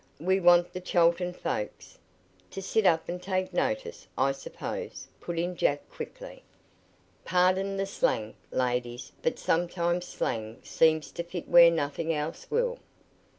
"We want the Chelton folks " "To sit up and take notice, I suppose," put in Jack quickly. "Pardon the slang, ladies, but sometimes slang seems to fit where nothing else will."